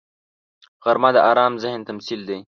غرمه د آرام ذهن تمثیل دی